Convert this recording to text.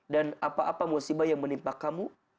dan apa apa musibah yang menimpa kamu